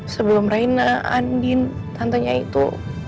sebelum raina andin tantenya itu